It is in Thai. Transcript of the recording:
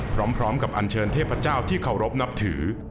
พร้อมกับอันเชิญเทพเจ้าที่เคารพนับถือ